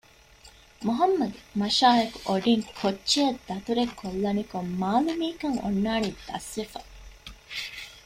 މުޙައްމަދު މަށާއެކު އޮޑިން ކޮއްޗެއަށް ދަތުރެއްކޮށްލަނިކޮށް މާލިމީކަން އޮންނާނީ ދަސްވެފަ